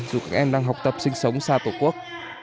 dù các em đang học tập sinh sống xa tổ quốc